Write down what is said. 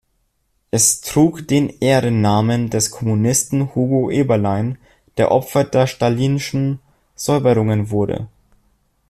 Es trug den Ehrennamen des Kommunisten Hugo Eberlein, der Opfer der Stalinschen Säuberungen wurde.